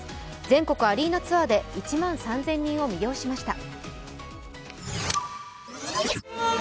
全国アリーナツアーで１万３０００人を魅了しました。